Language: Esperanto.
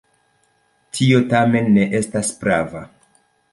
Tio tamen ne estas prava.